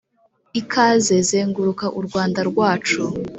Ikazazenguruka u Rwanda rwacu